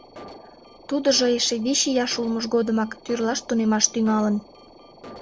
Тудыжо эше вич ияш улмыж годымак тӱрлаш тунемаш тӱҥалын.